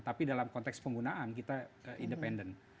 tapi dalam konteks penggunaan kita independen